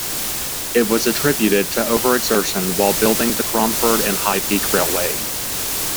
It was attributed to over-exertion while building the Cromford and High Peak Railway.